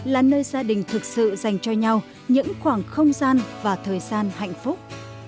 là nơi gia đình thực sự dành cho nhau những khoảng không gian và thời gian hạnh phúc